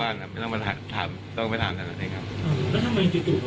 แล้วทำไมจู่เขาไปถามเขาได้ไปหาเขา